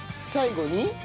最後に？